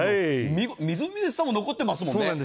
みずみずしさも残ってますもんね。